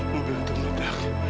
mobil itu meredak